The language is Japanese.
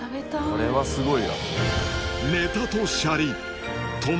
これはすごい。